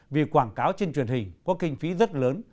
vì quảng cáo trên truyền hình có kinh phí rất lớn